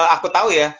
aku tau ya